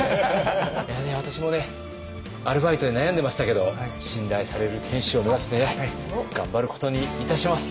私もねアルバイトで悩んでましたけど信頼される店主を目指してね頑張ることにいたします。